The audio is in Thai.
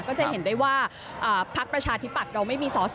ก็จะเห็นได้ว่าพักประชาธิปัตย์เราไม่มีสอสอ